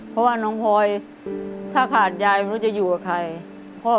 เพราะว่าน้องพลอยถ้าขาดยายไม่รู้จะอยู่กับใคร